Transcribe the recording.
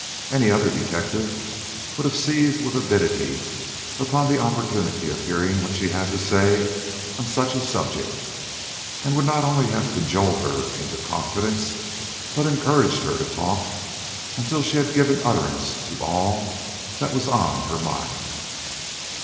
Any other detective would have seized with avidity upon the opportunity of hearing what she had to say on such a subject, and would not only have cajoled her into confidence, but encouraged her to talk until she had given utterance to all that was on her mind.